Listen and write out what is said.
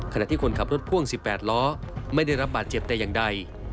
ขณะที่คนขับรถพ่วง๑๘ล้อไม่ได้รับบาดเจ็บแต่อย่างใด